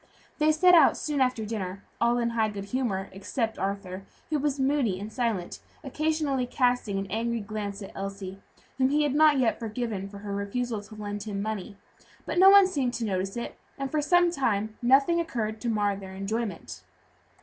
They set out soon after dinner, all in high good humor except Arthur, who was moody and silent, occasionally casting an angry glance at Elsie, whom he had not yet forgiven for her refusal to lend him money; but no one seemed to notice it, and for some time nothing occurred to mar their enjoyment.